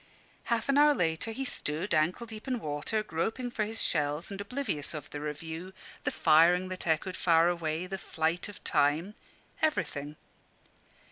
Half an hour later he stood, ankle deep in water, groping for his shells and oblivious of the review, the firing that echoed far away, the flight of time everything.